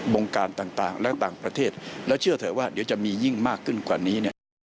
งการต่างและต่างประเทศแล้วเชื่อเถอะว่าเดี๋ยวจะมียิ่งมากขึ้นกว่านี้เนี่ย